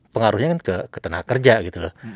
pengaruhnya kan ke tenaga kerja gitu loh